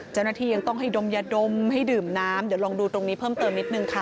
เจ้าหน้าที่ยังต้องให้ดมยาดมให้ดื่มน้ำเดี๋ยวลองดูตรงนี้เพิ่มเติมนิดนึงค่ะ